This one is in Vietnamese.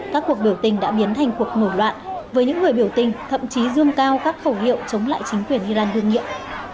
các cuộc biểu tình đã biến thành cuộc nổi loạn với những người biểu tình thậm chí dương cao các khẩu hiệu chống lại chính quyền iran đương nhiệm